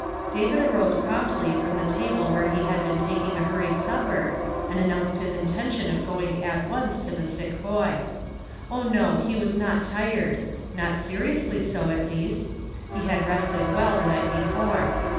David arose promptly from the table where he had been taking a hurried supper, and announced his intention of going at once to the sick boy. ( )h, no, he was not tired ; not seriously so, at least. He had rested well the night before.